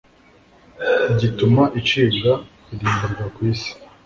gituma icibwa irimburwa ku isi